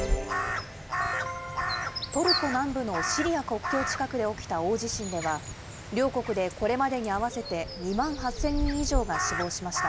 トルコ南部のシリア国境近くで起きた大地震では、両国でこれまでに合わせて２万８０００人以上が死亡しました。